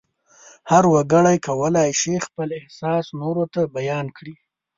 هر وګړی کولای شي خپل احساس نورو ته بیان کړي.